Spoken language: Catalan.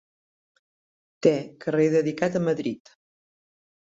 Té carrer dedicat a Madrid.